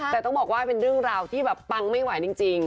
แต่ต้องบอกว่าเป็นเรื่องราวที่แบบปังไม่ไหวจริง